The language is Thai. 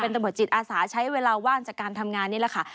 ตำรวจจิตอาสาใช้เวลาว่างจากการทำงานนี่แหละค่ะ